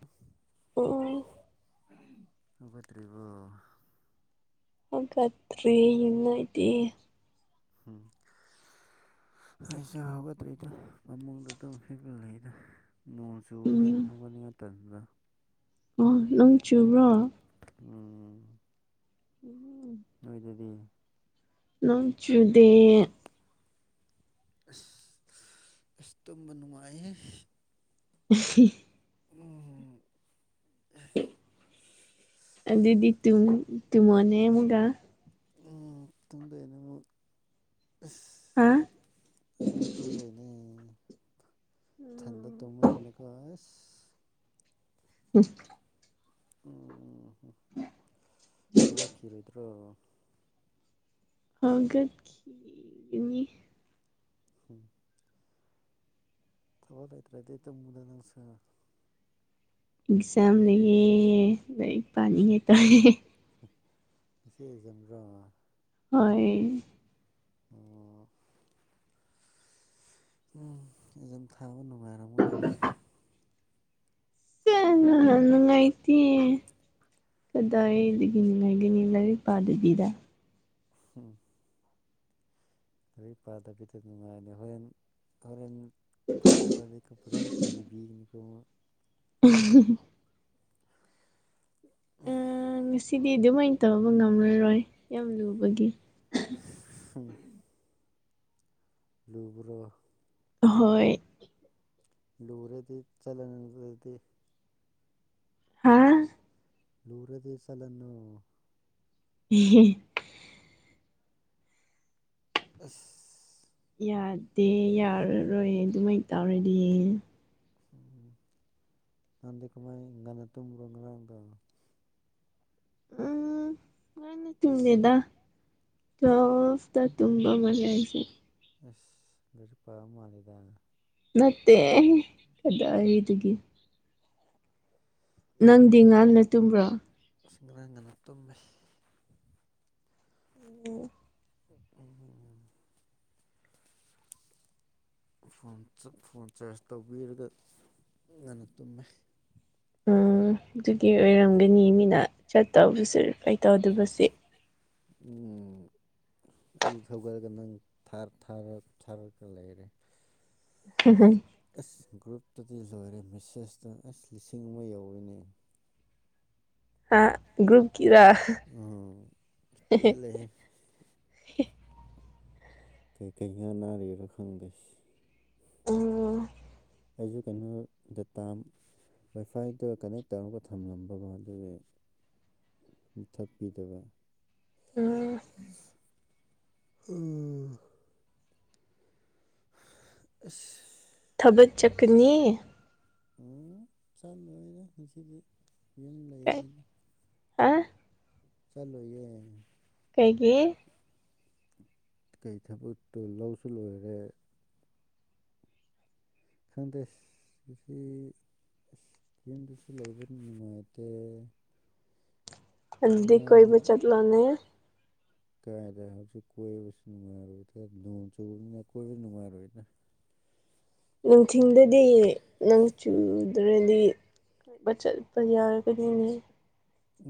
[inaudible] ꯑꯣ ꯍꯧꯒꯠꯇ꯭ꯔꯤꯕꯣ꯫ ꯍꯧꯒꯠꯇ꯭ꯔꯤ ꯅꯣꯏꯗꯤ [unintelligible] ꯑꯩꯁꯨ ꯍꯧꯒꯠꯇ꯭ꯔꯤꯗ ꯐꯃꯨꯡꯗ ꯑꯗꯨꯝ ꯍꯤꯞꯄ ꯂꯩꯗ꯫ ꯅꯣꯡ ꯆꯨꯕꯅꯤꯅ ꯎꯝ ꯍꯧꯒꯠꯅꯤꯡꯕ ꯇꯟꯕ ꯑꯣ ꯅꯪ ꯆꯨꯕ꯭ꯔꯣ꯫ ꯎꯝ ꯎꯝ ꯅꯣꯏ ꯑꯗꯨꯗꯤ ꯅꯣꯡ ꯆꯨꯗꯦ꯫ ꯑꯁ ꯑꯁꯇꯣꯕ ꯅꯨꯡꯉꯥꯏ ꯎ ꯎꯝ꯫ ꯑꯗꯨꯗꯤ ꯇꯨꯝ ꯇꯨꯝꯃꯣꯅꯦ ꯑꯃꯨꯒ꯫ ꯎꯝ ꯇꯨꯝꯗꯣꯏꯅꯦ ꯍꯥ ꯑꯃꯨꯛ ꯇꯨꯝꯗꯣꯏꯅꯦ꯫ ꯏꯊꯟꯗ ꯇꯨꯝꯕꯅꯤꯅꯀꯣ ꯑꯁ [unintelligible] ꯎꯝ ꯎ ꯎ ꯍꯧꯒꯠꯈꯤꯔꯣꯏꯗ꯭ꯔꯣ [unintelligible] [unintelligible] ꯊꯕꯛ ꯂꯩꯇ꯭ꯔꯥ ꯘꯤ ꯇꯨꯝꯃꯨꯗ ꯅꯪꯁꯨ ꯑꯦꯛꯖꯥꯝ ꯂꯩꯌꯦ ꯂꯥꯏꯔꯤꯛ ꯄꯥꯅꯤꯡꯉꯥꯏꯇꯥꯥꯔꯦ [unintelligible] [unintelligible] ꯑꯣ [unintelligible] ꯑꯗꯨꯝ ꯊꯥꯕ ꯅꯨꯡꯉꯥꯏꯔꯝꯒꯅꯤꯗ [unintelligible] ꯀꯗꯥꯏꯗꯒꯤ ꯅꯨꯡꯉꯥꯏꯘꯣꯏꯅꯦ ꯂꯥꯏꯔꯤꯛ ꯄꯥꯗꯕꯤꯗ꯫ [unintelligible] ꯂꯥꯏꯔꯤꯛ ꯄꯥꯗꯕꯤꯗ ꯅꯨꯡꯉꯥꯏꯅꯤ ꯍꯣꯔꯦꯟ ꯍꯣꯔꯦꯟ ꯐꯝꯕꯗꯗꯤ ꯐꯖꯅ ꯏꯕꯤꯅꯤꯀꯣ [unintelligible] [inaudible] ꯉꯁꯤꯗꯤ ꯑꯗꯨꯃꯥꯏꯅ ꯇꯧꯕ ꯉꯝꯔꯔꯣꯏ ꯌꯥꯝ ꯂꯨꯕꯒꯤ [unintelligible] ꯂꯨꯕ꯭ꯔꯣ ꯍꯣꯏ ꯂꯨꯔꯦꯗꯤ ꯆꯂꯣꯗꯅ ꯑꯘꯨ ꯑꯣꯏꯗꯤ [unintelligible] ꯂꯨꯔꯗꯤ ꯆꯠꯂꯅꯨ [unintelligible] [unintelligible] ꯌꯥꯗꯦ ꯌꯥꯔꯔꯣꯏ ꯑꯗꯨꯃꯥꯏꯅ ꯇꯧꯔꯗꯤ ꯎꯝ ꯅꯗꯦꯀꯃ ꯏꯅ ꯇꯨꯝꯕꯣ [inaudible] ꯅꯥꯟ ꯇꯨꯝꯃꯤꯦꯗ ꯇꯣꯐꯇ ꯇꯨꯝꯕ ꯃꯅ ꯍꯥꯏꯁꯤꯦ [unintelligible] ꯑꯁ ꯉꯔꯤ ꯄꯥꯑ ꯃꯥꯜꯂꯦꯗꯅ ꯅꯠꯇꯦ ꯀꯗꯥꯏꯗꯨꯒꯤ ꯍꯥꯏꯗꯤ ꯅꯪꯗꯤ ꯉꯔꯥꯡ ꯉꯟꯅ ꯇꯨꯝꯕ꯭ꯔꯣ ꯑꯁꯤ ꯉꯔꯥꯡ ꯉꯅ ꯇꯨꯝꯃꯦ ꯎꯝ ꯐꯣꯟ ꯐꯣꯟ ꯆꯥꯔꯖ ꯇꯧꯕꯤꯔꯒ ꯉꯟꯅ ꯇꯨꯝꯃꯦ ꯎꯝ ꯑꯗꯨꯒꯤ ꯑꯣꯏꯔꯝꯒꯅꯤ ꯃꯤꯅ ꯆꯠꯇꯧꯕꯁꯨ ꯔꯤꯥꯏ ꯇꯧꯗꯕꯁꯦ ꯎ ꯑꯌꯨꯛ ꯊꯧꯒꯠꯂꯒ ꯅꯪ ꯊꯥꯔꯒ ꯂꯩꯔꯦ [unintelligible] ꯑꯁ ꯒ꯭ꯔꯨꯞꯇꯨꯗꯤ ꯂꯣꯏꯔꯦ ꯃꯦꯁꯦꯖꯇꯣ ꯑꯁ ꯂꯤꯁꯤꯡ ꯑꯃ ꯌꯧꯋꯤꯅꯦ ꯍꯥ ꯒ꯭ꯔꯨꯞ ꯀꯤꯔꯣ ꯎꯝ ꯄꯦꯜꯂꯦꯍꯦ ꯀꯩ ꯀꯩ ꯍꯏ ꯅꯥꯔꯤꯔꯣ ꯈꯪꯗꯣꯏꯁ ꯎꯝ ꯑꯩꯁꯨ ꯀꯩꯅꯣ ꯗ [unintelligible] ꯋꯥꯏꯐꯥꯏꯗ ꯀꯅꯦꯛ ꯇꯧꯔꯒ ꯊꯝꯂꯝꯕꯒꯣ ꯑꯗꯨꯒꯤ ꯃꯨꯊꯠꯄꯤꯗꯕ ꯎꯝ ꯎ ꯑꯁ ꯊꯕꯛ ꯆꯠꯀꯅꯤ ꯎ ꯆꯠꯂꯣꯏꯔꯦ ꯉꯁꯤꯗꯤ ꯌꯨꯝ ꯂꯩꯔꯅꯤꯅ ꯑ ꯆꯠꯂꯣꯏꯌꯦ ꯀꯩꯒꯤ ꯀꯩ ꯊꯕ ꯇꯨ ꯂꯧꯁꯨ ꯂꯣꯏꯔꯦ ꯈꯪꯗꯦꯁꯁꯤ ꯌꯨꯝꯗꯁꯨ ꯂꯩꯕ ꯅꯨꯡꯉꯥꯏꯇꯦ ꯑꯗꯤ ꯉꯥ ꯀꯣꯏ ꯆꯠ ꯂꯥꯟꯅꯦ ꯀꯥꯏꯗ ꯍꯧꯁꯨꯛ ꯀꯣꯏꯕꯁꯨ ꯅꯨꯡꯉꯥꯏꯔꯣꯏꯗꯥ ꯅꯣꯡ ꯆꯨꯕꯅꯤꯅ ꯀꯣꯏꯕꯁꯨ ꯅꯨꯡꯉꯥꯏꯔꯣꯏꯗ ꯅꯨꯡꯊꯤꯟꯗꯗꯤ ꯅꯪ ꯔꯦꯜꯂꯤ [unintelligible] ꯆꯠꯄ ꯌꯥꯎꯔꯒꯅꯤꯅꯤ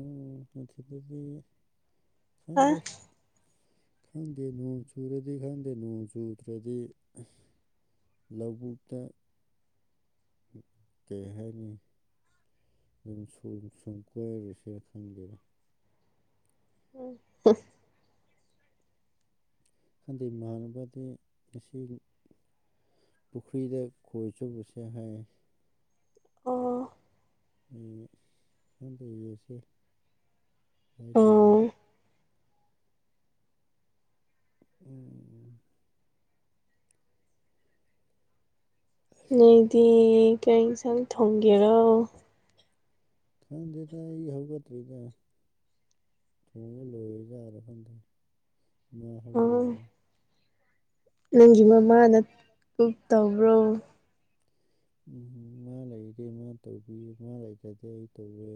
ꯎꯝ ꯑꯗꯨꯗꯤ ꯍꯥ ꯈꯪꯗꯦ ꯈꯪꯗꯦ ꯅꯣꯡ ꯆꯨꯔꯗꯤ ꯈꯪꯗꯦ ꯅꯣꯡ ꯆꯨꯗ꯭ꯔꯗꯤ ꯂꯧꯕꯨꯛꯇ ꯀꯩ ꯍꯥꯏꯅꯤ ꯑꯗꯨꯝ ꯁꯨꯝ ꯁꯨꯝ ꯀꯣꯏꯔꯨꯁꯦꯅ ꯈꯪꯗꯦꯅ ꯎꯝ ꯍ ꯈꯟꯗꯩ ꯃꯥꯟꯅꯕꯗꯤ ꯉꯁꯤ ꯄꯨꯈ꯭ꯔꯤꯗ ꯈꯣꯏ ꯆꯕꯁꯦ ꯍꯥꯏ ꯑꯣ ꯈꯖꯁꯦ ꯍꯥꯏꯈꯤꯕꯦꯕꯅꯦ ꯑꯣ ꯎꯝ ꯅꯣꯏꯗꯤ ꯀꯩ ꯏꯟꯁꯥꯡ ꯊꯣꯡꯒꯦꯔꯣ ꯈꯪꯗꯗ ꯑꯩ ꯍꯒꯇꯔꯤꯗ ꯊꯨꯡ ꯂꯣꯏꯌꯦꯖꯔ ꯐꯪꯗ ꯃ ꯍꯒ ꯂ ꯑꯣ ꯅꯪꯒꯤ ꯃꯃꯥꯅ ꯀꯛ ꯇꯧꯕ꯭ꯔꯣ ꯎꯝ ꯃꯥ ꯂꯩꯔꯤꯗꯤꯦ ꯃꯥ ꯇꯧꯕꯤ ꯃꯥ ꯂꯩꯇꯗꯦ ꯑꯩ ꯇꯧꯋꯦ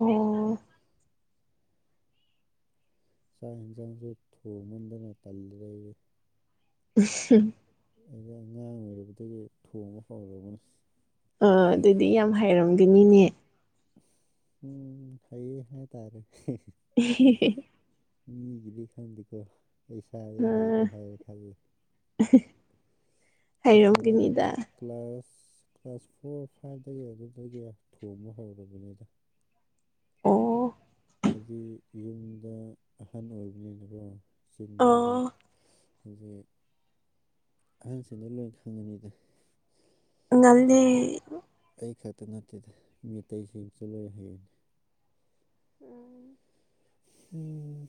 ꯎꯝ ꯆꯥꯛ ꯌꯦꯟꯁꯥꯡꯁꯨ ꯊꯣꯡꯃꯟꯗꯅ ꯇꯜꯂꯤꯔ ꯑꯩꯁꯦ ꯁ ꯑꯩꯩꯅ ꯑꯉꯥꯡ ꯑꯣꯏꯔꯕꯗꯒꯤ ꯊꯣꯡꯕ ꯐꯥꯎꯔꯕꯅꯁꯤ ꯑ ꯑꯗꯨꯗꯤ ꯌꯥꯝ ꯍꯥꯏꯩꯔꯝꯒꯅꯤꯅꯦ ꯎꯝ ꯍꯩꯌꯦ ꯍꯥꯏ ꯇꯥꯔꯦ ꯎ ꯃꯤꯒꯤꯗꯤ ꯈꯪꯗꯦꯀꯣ ꯑꯩ ꯏꯁꯥꯔ ꯍꯩꯔꯦ ꯍꯥꯏꯔꯦ ꯈꯜꯂꯦ ꯑꯁ ꯑꯉꯥꯡ ꯍꯥꯏꯩꯔꯣꯝꯒꯅꯤꯗ ꯀ꯭ꯂꯥꯁ ꯀ꯭ꯂꯥꯁ ꯐꯣꯔ ꯐꯥꯏꯚꯇꯒꯤ ꯑꯗꯨꯗꯒꯤ ꯊꯣꯡꯕ ꯍꯧꯔꯕꯅꯤꯅ ꯑꯝ ꯍꯥꯏꯗꯤ ꯌꯨꯝꯗ ꯑꯍꯟ ꯑꯣꯏꯕꯅꯤꯅꯀꯣ ꯆꯤꯟꯅꯥꯗ ꯑꯣ ꯍꯧꯖꯤꯛ ꯑꯍꯟꯁꯤꯅ ꯂꯣꯏ ꯈꯪꯉꯅꯤꯤꯗ ꯉꯜꯂꯦ ꯑꯩ ꯑꯩ ꯈꯛꯇ ꯅꯠꯇꯦꯗ ꯃꯩꯁꯤꯡꯁꯨ ꯂꯣꯏ ꯍꯥꯏꯩꯒꯅꯤ ꯎꯝ ꯎꯝ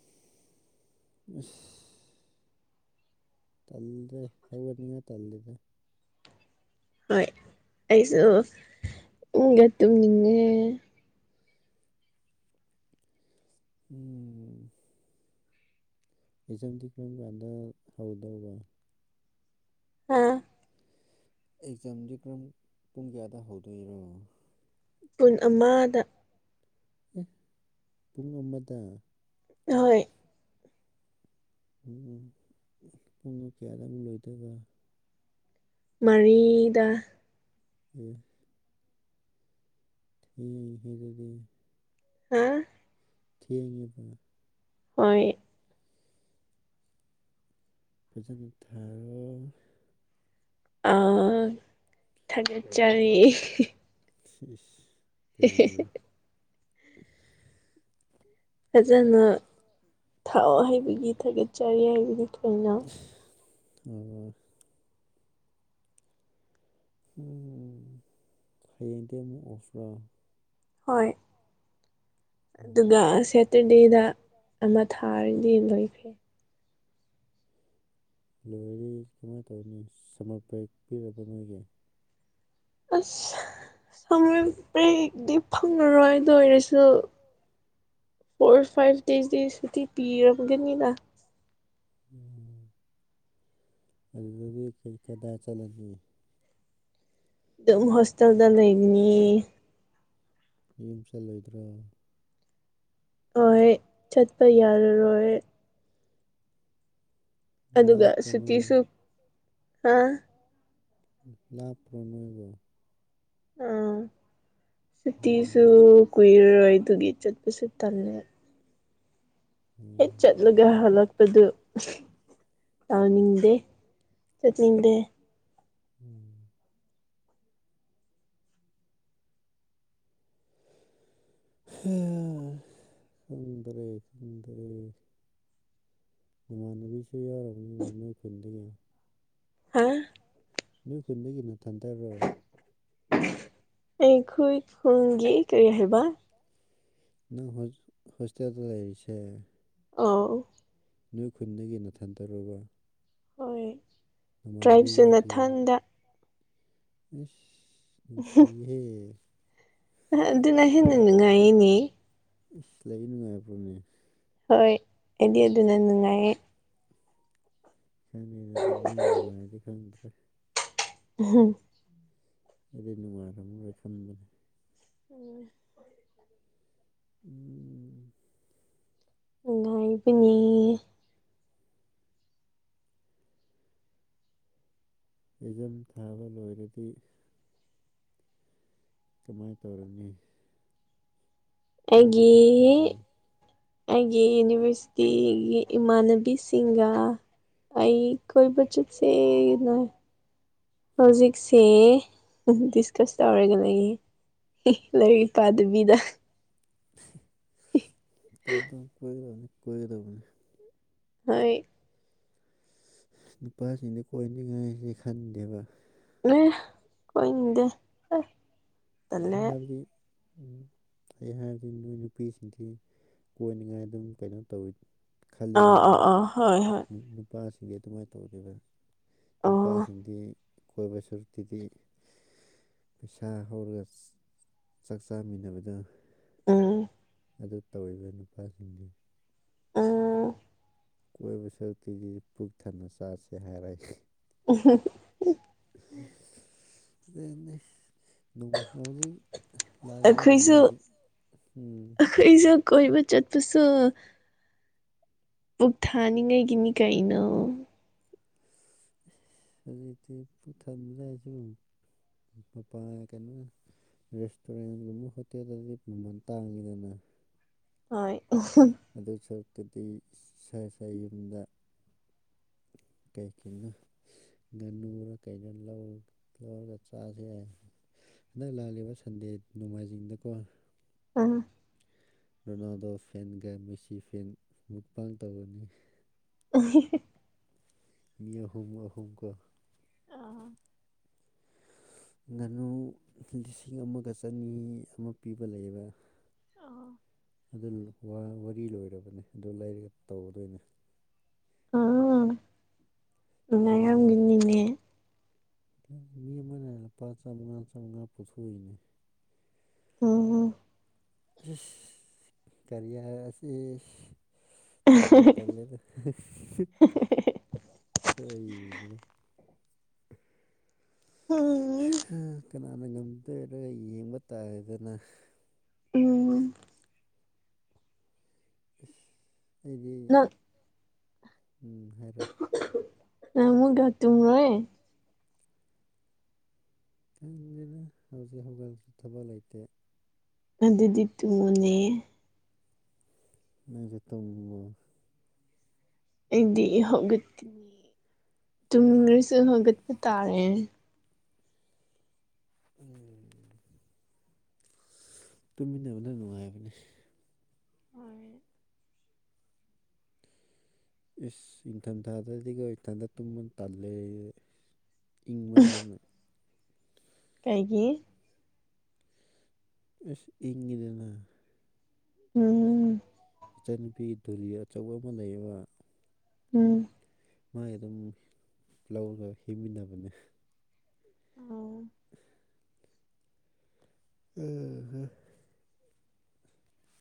ꯇꯜꯗꯦ ꯍꯅꯤꯉ ꯇꯜꯗꯗ ꯍꯣꯏ ꯑꯩꯁꯨ ꯏꯪꯒ ꯇꯨꯝꯅꯤꯡꯉꯦ ꯎꯝ ꯏꯆꯝꯗꯤ ꯀꯔꯝ ꯀꯥꯟꯗ ꯍꯧꯗꯧꯕ ꯍꯥꯥ ꯑꯦꯛꯖꯥꯝꯗꯤ ꯀꯔꯝ ꯄꯨꯡ ꯀꯌꯥꯗ ꯍꯧꯗꯣꯏꯔꯣ ꯄꯨꯨꯟ ꯑꯃꯗ ꯑꯦ ꯄꯨꯡ ꯑꯃꯗ ꯍꯣꯏ ꯎꯝ ꯄꯨꯡꯅ ꯀꯌꯥꯗ ꯑꯃꯨꯛ ꯂꯣꯏꯗꯕ ꯃꯔꯤꯗ ꯎꯝ ꯃꯤ ꯑꯇꯩꯗꯤ ꯍꯥ ꯊꯦꯡꯉꯦꯕ ꯍꯣꯏ ꯐꯖꯅ ꯊꯥꯔꯣ ꯑꯥꯎ ꯊꯥꯒꯠꯆꯔꯤ ꯏꯁ ꯏꯁ ꯀꯩꯒꯤ ꯐꯖꯅ ꯊꯥꯑꯣ ꯍꯥꯏꯕꯒꯤ ꯊꯥꯒꯠꯆꯔꯤ ꯍꯥꯏꯕꯅꯤ ꯀꯩꯅꯣ ꯑꯣ ꯎꯝ ꯍꯌꯦꯡꯗꯤ ꯑꯃꯨꯛ ꯑꯣꯐ꯭ꯔꯥ ꯍꯣꯏ ꯎꯝ ꯑꯗꯨꯒ ꯁꯦꯇꯔꯗꯦꯗ ꯑꯃ ꯊꯥꯔꯗꯤ ꯂꯣꯏꯈꯦ ꯂꯣꯏꯔꯤ ꯀꯃꯥꯏꯅ ꯇꯧꯔꯤꯅꯤ ꯁꯃꯔ ꯕꯔꯦꯛ ꯄꯤꯔꯕ ꯅꯣꯏꯒꯤ ꯑꯁ ꯁꯃꯔ ꯕ꯭ꯔꯦꯛꯇꯤ ꯐꯪꯉꯔꯣꯏ ꯗꯨ ꯑꯣꯏꯔꯁꯨ ꯐꯣꯔ ꯐꯥꯏꯚ ꯗꯦꯖꯇꯤ ꯁꯨꯇꯤ ꯄꯤꯔꯝꯒꯅꯤꯅ ꯎ ꯑꯗꯨꯗꯤ ꯀ ꯀꯗꯥ ꯆꯂꯅꯤ ꯑꯗꯨꯝ ꯍꯣꯁꯇꯦꯜꯗ ꯂꯩꯒꯅꯤ ꯌꯨꯝ ꯆꯜꯂꯣꯏꯗ꯭ꯔꯣ ꯍꯣꯏ ꯆꯠꯄ ꯌꯥꯔꯔꯣꯏ ꯑꯗꯨꯒ ꯂꯥꯞꯄ꯭ꯔꯣ ꯅꯣꯏ ꯁꯨꯇꯤꯁꯨ ꯍꯥ ꯂꯥ ꯄ꯭ꯔꯅꯣꯏꯕ ꯑꯥ ꯁꯨꯇꯤꯁꯨ ꯎꯝ, ꯀꯨꯏꯔꯔꯣꯏ ꯑꯗꯨꯒꯤ ꯆꯠꯄꯁꯨ ꯇꯝꯃꯦ ꯎꯝ ꯆꯠꯂꯒ ꯍꯜꯂꯛꯄꯗꯨ ꯇꯥꯎꯅꯤꯡꯗꯦ ꯆꯠꯅꯤꯡꯗꯦ ꯎꯝ ꯈꯨꯨꯝꯗꯔꯔꯤ ꯈꯨꯨꯝꯗꯔꯔꯤ ꯅꯃꯥꯟꯅꯕꯤꯁꯨ ꯌꯥꯔ ꯑꯃꯅ ꯅꯣꯏ ꯄꯨꯟꯗ ꯍꯥ ꯃꯤ ꯈꯨꯟꯗꯒꯤꯅ ꯇꯟꯇꯔꯣ ꯑꯩꯈꯏ ꯈꯨꯨꯝꯒꯦ ꯀꯔꯤ ꯍꯥꯏꯕ ꯅꯪ ꯍꯣ ꯍꯣꯁꯇꯦꯜꯗ ꯂꯩꯔꯤꯁꯦ ꯑꯥꯎ ꯅꯣꯏ ꯈꯨꯟꯗꯒꯤ ꯅꯥꯊꯟ ꯇꯔꯨꯕ ꯍꯣꯏ ꯇ꯭ꯔꯥꯏꯞꯁꯨ ꯅꯊꯟꯗ ꯁꯤꯍꯦ ꯑꯗꯨꯅ ꯍꯦꯟꯅ ꯅꯨꯡꯉꯥꯏꯅꯦ ꯎ ꯂꯩ ꯅꯨꯡꯉꯥꯏꯕ꯭ꯔꯣꯅꯦ ꯍꯣꯏ ꯑꯩꯗꯤ ꯑꯗꯨꯅ ꯅꯨꯡꯉꯥꯏꯌꯦ ꯀꯅꯅꯗꯤ ꯅ ꯅꯨꯡꯉꯥꯏꯗꯤ ꯈꯪꯗ꯭ꯔꯦ ꯍꯝ ꯑꯗꯨꯗꯤ ꯅꯨꯡꯉꯥꯏꯔꯝꯃꯔꯣꯏ ꯈꯟꯕꯅꯦ ꯎꯝ ꯎꯝ ꯉꯉꯥꯏꯕꯅꯤ ꯍꯖꯝ ꯊꯥꯕ ꯂꯣꯏꯔꯗꯤ ꯀꯃꯥꯏꯅ ꯇꯧꯔꯅꯤ ꯀꯣꯏꯕ ꯑꯩꯒꯤ ꯆꯠꯇꯣꯏꯔꯣ ꯑꯩꯒꯤ ꯌꯨꯅꯤꯚꯔꯁꯤꯇꯤꯒꯤ ꯏꯃꯥꯟꯅꯕꯤꯁꯤꯡꯒ ꯑꯩ ꯀꯣꯏ ꯆꯠ ꯁꯦ ꯍꯧꯖꯤꯛꯁꯦ ꯗꯤꯁꯀꯁ ꯇꯧꯔꯒ ꯂꯩꯌꯦ ꯂꯥꯏꯔꯤꯛ ꯄꯥꯗꯕꯤꯗ ꯇꯧ ꯀꯒꯗꯅꯤ ꯀꯣꯏꯒꯗꯧꯕꯅꯤ ꯍꯣꯏ ꯅꯨꯄꯥꯁꯤꯡꯗ ꯀꯣꯏꯅꯤꯡꯉꯥꯏꯁꯦ ꯈꯟꯗꯦꯕ ꯃ ꯀꯗ ꯑꯩꯅ ꯍꯥꯏꯕꯗꯤ ꯎ ꯑꯩ ꯍꯥꯏꯔꯗꯤ ꯅꯣꯏ ꯅꯨꯄꯤꯁꯤꯡꯁꯤ ꯀꯣꯟꯅꯤꯡꯉꯥꯏ ꯑꯗꯨꯝ ꯀꯩꯅꯣ ꯇꯧꯋꯤ ꯈꯜꯂꯤꯗꯅ ꯑ ꯍꯣꯏ ꯍꯣꯏ ꯅꯨꯄꯥꯁꯤꯡꯗꯤ ꯑꯗꯨꯃꯥꯏꯅ ꯇꯧꯗꯦꯕ ꯑꯣ ꯅꯨꯄꯥꯁꯤꯡꯗꯤ ꯀꯣꯏꯕ ꯁꯔꯨꯛꯇꯤꯗꯤ ꯄꯩꯁꯥ ꯍꯧꯔꯒ ꯆꯥꯛ ꯆꯥꯃꯤꯟꯅꯕꯗ ꯎꯝ ꯑꯗꯨ ꯇꯧꯕ ꯅꯨꯄꯥꯁꯤꯡꯗꯤ ꯑꯥ ꯀꯣꯏꯕ ꯁꯔꯨꯛꯇꯤꯁꯤ ꯄꯨꯛ ꯊꯟꯅ ꯆꯥꯥꯁꯦ ꯍꯥꯏꯔꯏ ꯑ ꯑꯗꯨ ꯅꯣꯡꯃꯜꯥꯎꯖꯤꯤꯡ ꯂꯥꯛꯏꯦꯕ ꯅꯣꯡꯃꯁꯤ ꯎꯝ ꯑꯩꯈꯣꯏꯖ ꯀꯣꯏꯕ ꯆꯠꯄꯁꯨ ꯄꯨꯕꯨꯛ ꯊꯥꯅꯤꯡꯉꯩꯒꯤꯅꯤ ꯀꯩꯅꯣ ꯔꯔꯤꯗꯤ ꯄꯨꯊꯝ ꯔꯦꯖ ꯄꯥ ꯀꯩꯅꯣ ꯔꯦꯁꯇꯨꯔꯦꯟꯒꯨꯝꯕ ꯍꯣꯇꯦꯜꯗꯗꯤ ꯃꯃꯜ ꯇꯥꯡꯉꯤꯗꯅ ꯍꯣꯏ [unintelligible] ꯑꯗꯨ ꯁꯔꯨꯛꯇꯨꯗꯤ ꯏꯁ ꯏꯁꯥ ꯌꯨꯝꯗꯥ ꯀꯩ ꯀꯩꯅꯣ ꯉꯥꯟꯅꯨꯔꯥ ꯀꯩꯅꯣ ꯂꯧ ꯂꯧꯔꯒꯥ ꯆꯥꯁꯦ ꯍꯟꯗꯛ ꯂꯥꯛꯂꯤꯕ ꯁꯟꯗꯦ ꯅꯣꯡꯃꯥꯏꯖꯤꯡꯗꯀꯣ ꯑꯝ ꯔꯣꯅꯥꯜꯗꯣ ꯐꯦꯟꯒꯥ ꯃꯦꯁꯤ ꯐꯦꯟ ꯃꯨꯛꯄꯥꯡ ꯇꯧꯒꯅꯤ [unintelligible] ꯃꯤ ꯑꯍꯨꯝ ꯑꯍꯨꯝ ꯀꯣ ꯉꯥꯅꯨ ꯂꯤꯁꯤꯡ ꯑꯃꯒꯥ ꯆꯅꯤ ꯑꯃ ꯄꯤꯕ ꯂꯩꯕ ꯑꯣ ꯑꯗꯨ ꯋꯥꯔꯤ ꯂꯣꯏꯔꯕꯅꯦ ꯑꯗꯨ ꯂꯩꯥꯏꯔꯒ ꯇꯧꯗꯣꯏꯅꯦ ꯃꯤ ꯑꯃ ꯌꯥꯝꯒꯤꯅꯤꯅꯦ ꯃꯤ ꯑꯃꯅꯦ ꯂꯨꯄꯥ ꯆꯥꯃꯉꯥ ꯆꯥꯝꯃꯉꯥ ꯄꯨꯊꯣꯛꯏꯅꯦ ꯑꯣꯝ ꯀꯔꯤꯌꯥ ꯑꯁꯤ ꯑꯁꯤ ꯇꯥꯟꯅ ꯇꯂꯦ ꯁ ꯀꯅꯥꯅ ꯉꯝꯗꯣꯏꯔꯒ ꯌꯦꯡꯕ ꯇꯥꯔꯗꯅ ꯎꯝ ꯑꯩꯗꯤ [inaudible] ꯎꯝ ꯍꯥꯏꯔꯣ ꯅꯪ ꯑꯃꯨꯛꯀꯥ ꯇꯨꯝꯃꯨꯔꯦ ꯈꯪꯗꯦꯗꯥ ꯍꯧꯖꯤꯛ ꯍꯧꯒꯠꯂꯁꯨ ꯊꯕꯛ ꯂꯩꯇꯦ ꯑꯗꯨꯗꯤ ꯇꯨꯕꯅꯦꯍꯦ ꯅꯪꯖꯨ ꯇꯧꯅꯨꯋꯣ ꯑꯩꯗꯤ ꯍꯧꯒꯠꯀꯥꯅꯤ ꯇꯨꯝꯅꯤꯡꯒ꯭ꯔꯥꯁꯨ ꯍꯧꯒꯠꯄ ꯇꯥꯔꯦ ꯎꯝ ꯇꯨꯃꯤꯟꯅꯕꯗꯣ ꯅꯨꯡꯉꯥꯏꯕꯅꯦ ꯍꯣꯏ ꯏꯁ ꯏꯪꯊꯝꯊꯥꯗꯥꯗꯤꯒꯣ ꯏꯊꯟꯗꯥ ꯇꯨꯝꯃ ꯇꯥꯜꯂꯦ ꯏꯪꯃꯟꯗꯅ ꯀꯩꯒꯤ ꯏꯁ ꯏꯪꯉꯦꯗꯥꯅ ꯎꯝ ꯏꯆꯟꯅꯨꯄꯤꯒꯤ ꯙꯨꯔꯤ ꯑꯆꯧꯕ ꯑꯃ ꯂꯩꯌꯦꯕ ꯎꯝ ꯃꯥꯏ ꯑꯗꯨꯝ ꯂꯧꯔꯒꯥ ꯍꯤꯞꯃꯤꯟꯅꯕꯅꯦ ꯑꯣ [unintelligible]